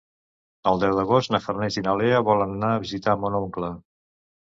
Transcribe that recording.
El deu d'agost na Farners i na Lea volen anar a visitar mon oncle.